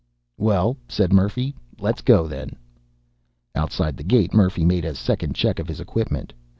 "Well," said Murphy, "let's go then." Outside the gate Murphy made a second check of his equipment.